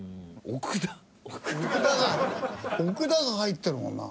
「奥田」が「奥田」が入ってるもんな。